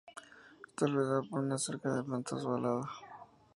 Está rodeada por una cerca de planta ovalada.